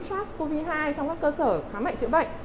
sars cov hai trong các cơ sở khám mệnh triệu bệnh